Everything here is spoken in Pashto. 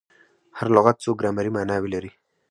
هر لغت څو ګرامري ماناوي لري.